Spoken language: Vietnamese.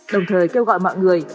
đồng thời kêu gọi mọi người